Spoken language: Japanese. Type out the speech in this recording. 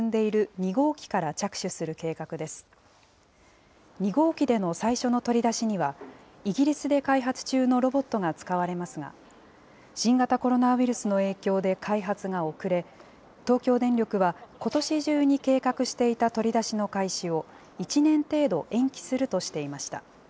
２号機での最初の取り出しには、イギリスで開発中のロボットが使われますが、新型コロナウイルスの影響で開発が遅れ、東京電力はことし中に計画していた取り出しの開始を１年程度延期するとしていました。